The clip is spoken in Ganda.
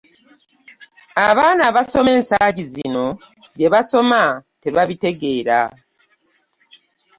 Abaana abasoma ensangi zino by'ebasoma tebabitegeera